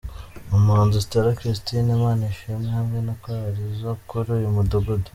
n’umuhanzi Stella Christine Manishimwe hamwe na Chorale zo kuri uyu mudugudu